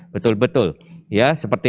betul betul ya seperti